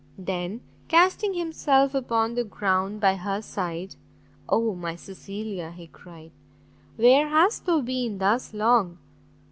Then, casting himself upon the ground by her side, "Oh my Cecilia," he cried, "where hast thou been thus long?